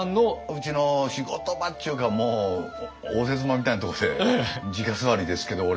うちの仕事場っちゅうか応接間みたいなとこでじか座りですけど俺は。